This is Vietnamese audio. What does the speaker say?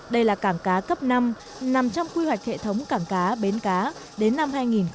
đây là cảng cá cấp năm nằm trong quy hoạch hệ thống cảng cá bến cá đến năm hai nghìn ba mươi